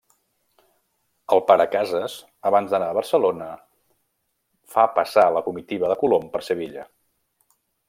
El Pare Cases, abans d'anar a Barcelona, fa passar la comitiva de Colom per Sevilla.